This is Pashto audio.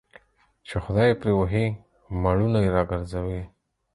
چي خداى يې پري وهي مړونه يې راگرځوي